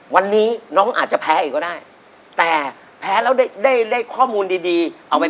วันนี้น้องอาจจะแพ้อีกก็ได้